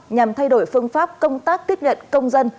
nhằm thay đổi phương pháp công tác tiếp nhận công dân